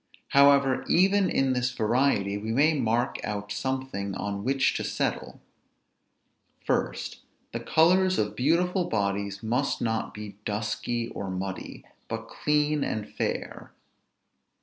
However, even in this variety, we may mark out something on which to settle. First, the colors of beautiful bodies must not be dusky or muddy, but clean and fair.